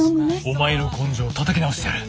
お前の根性をたたき直してやる！